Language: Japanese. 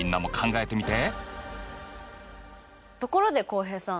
ところで浩平さん。